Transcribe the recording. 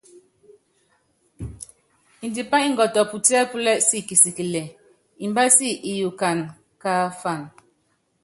Ndipá ngɔtɔ putíɛ́púlɛ siki kisikilɛ, imbási iyukana káafan.